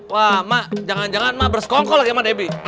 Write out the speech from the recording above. wah mak jangan jangan mak berskongkol lagi mak debbie